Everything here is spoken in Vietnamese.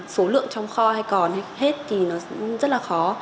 số lượng trong kho hay còn hay hết thì rất là khó